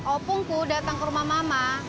opungku datang ke rumah mama